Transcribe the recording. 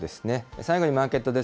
最後にマーケットです。